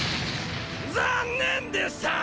残念でした！